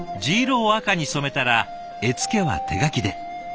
地色を赤に染めたら絵付けは手描きで。